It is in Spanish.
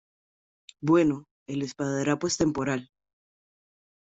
bueno, el esparadrapo es temporal ;